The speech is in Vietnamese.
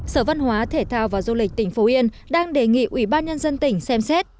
sở văn hóa thể thao và du lịch tỉnh phú yên đang đề nghị ủy ban nhân dân tỉnh xem xét